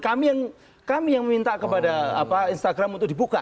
kami yang meminta kepada instagram untuk dibuka